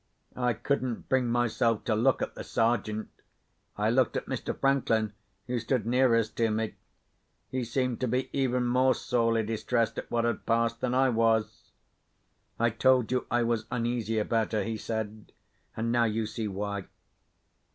I couldn't bring myself to look at the Sergeant—I looked at Mr. Franklin, who stood nearest to me. He seemed to be even more sorely distressed at what had passed than I was. "I told you I was uneasy about her," he said. "And now you see why."